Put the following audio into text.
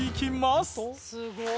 すごーい！